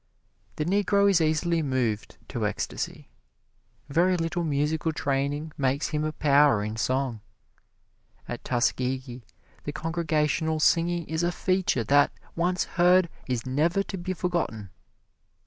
The Negro is easily moved to ecstasy. Very little musical training makes him a power in song. At Tuskegee the congregational singing is a feature that, once heard, is never to be forgotten.